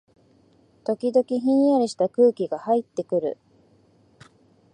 時々、ひんやりした空気がはいってくる